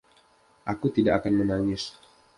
Aku tidak akan menangis.